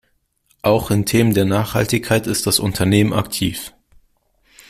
Auch in Themen der Nachhaltigkeit ist das Unternehmen aktiv.